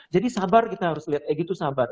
jadi sabar kita harus lihat egy tuh sabar